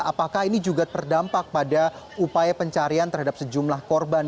apakah ini juga berdampak pada upaya pencarian terhadap sejumlah korban